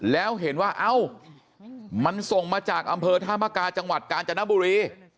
แล้วเห็นว่าเอ้ามันส่งมาจากอำเภอธามกาจังหวัดกาญจนบุรี